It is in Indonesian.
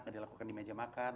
dilakukan di meja makan